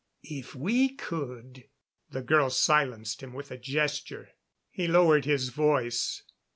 "If we could " The girl silenced him with a gesture. He lowered his voice.